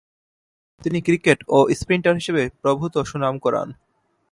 তিনি ক্রিকেট ও স্প্রিন্টার হিসেবে প্রভূতঃ সুনাম কুড়ান।